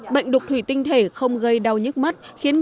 bệnh đục thủy tinh thể không gây đau nhức mắt khiến